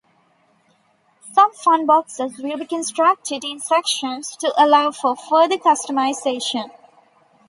Some funboxes will be constructed in sections to allow for further customization.